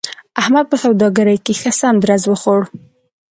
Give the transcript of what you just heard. احمد په سوداګرۍ کې ښه سم درز و خوړ.